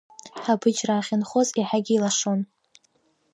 Ҳабыџьраа ахьынхоз еиҳагьы илашон.